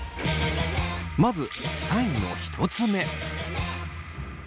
まず３位の１つ目。